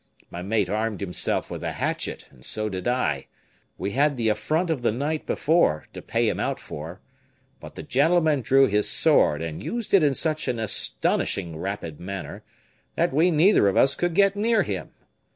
My mate armed himself with a hatchet, and so did I. We had the affront of the night before to pay him out for. But the gentleman drew his sword, and used it in such an astonishingly rapid manner, that we neither of us could get near him.